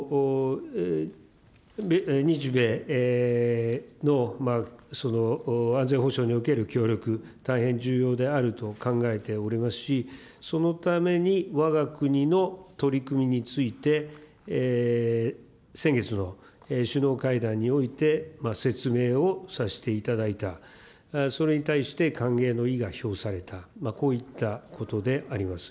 日米の安全保障における協力、大変重要であると考えておりますし、そのために、わが国の取り組みについて、先月の首脳会談において、説明をさせていただいた、それに対して、歓迎の意が表された、こういったことであります。